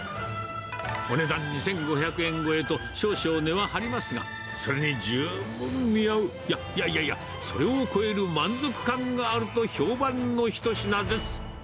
お値段２５００円超えと少々値は張りますが、それに十分見合う、いや、いやいやいや、それを超える満足感があると評判の一品です。